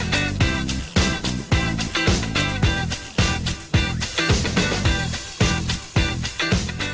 โปรดติดตามตอนต่อไป